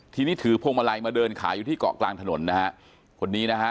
ทีนี้ถือพวงมาลัยมาเดินขายอยู่ที่เกาะกลางถนนนะฮะคนนี้นะฮะ